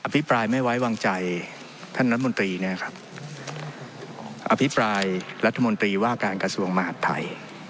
พิปรายไม่ไว้วางใจท่านรัฐมนตรีเนี่ยครับอภิปรายรัฐมนตรีว่าการกระทรวงมหาดไทย